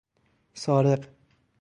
سارق